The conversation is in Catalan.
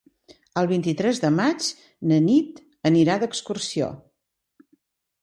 El vint-i-tres de maig na Nit anirà d'excursió.